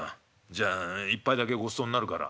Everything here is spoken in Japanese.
じゃあ１杯だけごちそうになるから。